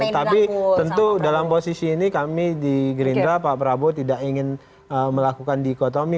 tapi tentu dalam posisi ini kami di gerindra pak prabowo tidak ingin melakukan dikotomi